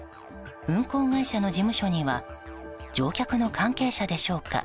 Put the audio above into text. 運航会社の事務所には乗客の関係者でしょうか。